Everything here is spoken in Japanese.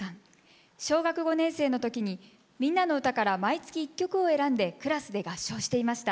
小学５年生の時に「みんなのうた」から毎月１曲を選んでクラスで合唱していました。